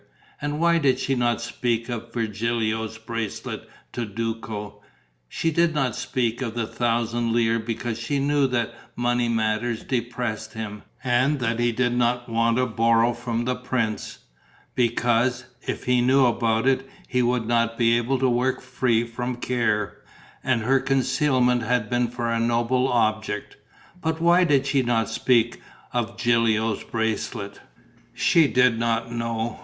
And why did she not speak of Virgilio's bracelet to Duco? She did not speak of the thousand lire because she knew that money matters depressed him and that he did not want to borrow from the prince, because, if he knew about it, he would not be able to work free from care; and her concealment had been for a noble object. But why did she not speak of Gilio's bracelet?... She did not know.